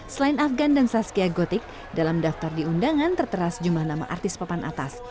selain afgan dan zazkia gotik dalam daftar diundangan terteras jumlah nama artis pepan atas